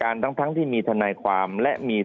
ภารกิจสรรค์ภารกิจสรรค์